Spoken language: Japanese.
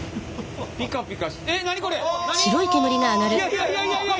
いやいやいやいや。